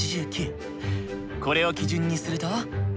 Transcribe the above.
これを基準にすると。